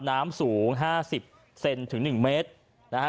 น้ำสูงห้าสิบเซนถึง๑เมตรนะฮะ